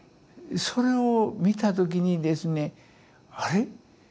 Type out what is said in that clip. それを見た時にですねあれ？